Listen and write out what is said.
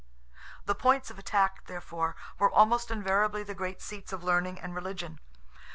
The points of attack, therefore, were almost invariably the great seats of learning and religion.